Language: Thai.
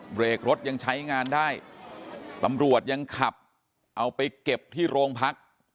เบรกรถยังใช้งานได้ตำรวจยังขับเอาไปเก็บที่โรงพัก